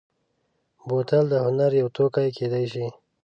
بوتل د هنر یو توکی کېدای شي.